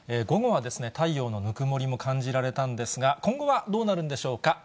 午後は太陽のぬくもりも感じられたんですが、今後はどうなるんでしょうか。